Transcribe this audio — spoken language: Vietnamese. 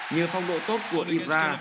như phong độ tốt của ibra